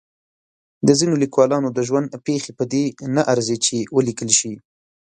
د ځینو لیکوالانو د ژوند پېښې په دې نه ارزي چې ولیکل شي.